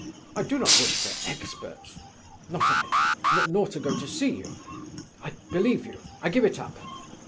I do not wish for experts, not I, nor to go to see you. I believe you. I give it up....